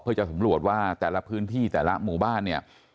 เพื่อจะสำรวจว่าแต่ละพื้นที่แต่ละหมู่บ้านเนี่ย